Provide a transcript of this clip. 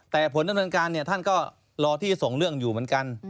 แต่ผลดำเนินการท่านก็รอที่จะส่งเรื่องอยู่เหมือนกัน